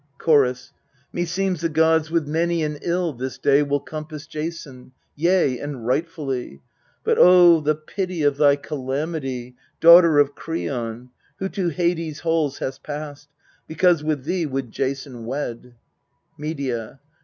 Chorus. Meseems the gods with many an ill this day Will compass Jason yea, and rightfully. But O the pity of thy calamity, Daughter of Kreon, who to Hades' halls I lust passed, because with thee would Jason wed! Medea.